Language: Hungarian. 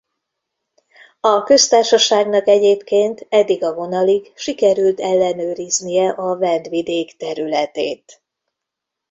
A köztársaságnak egyébként eddig a vonalig sikerült ellenőriznie a Vendvidék területét.